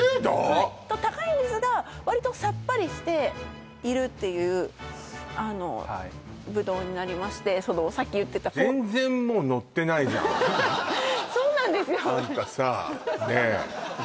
はいと高いんですが割とさっぱりしているっていうあのぶどうになりましてさっき言ってたそうなんですよあんたさねえ